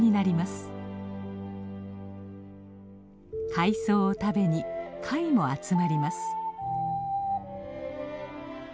海藻を食べに貝も集まります。